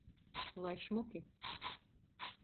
Lai šmuki.